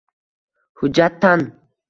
Hujjat tan